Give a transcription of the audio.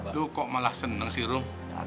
duh kok malah seneng sih ruh